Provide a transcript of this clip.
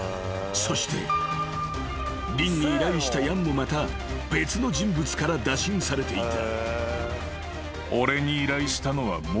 ［そしてリンに依頼したヤンもまた別の人物から打診されていた］